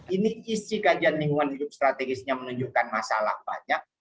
ini isi kajian lingkungan hidup strategisnya menunjukkan masalah banyak